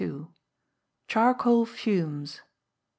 Charcoal Fumes.